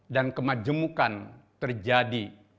dan kemajemukan terjadi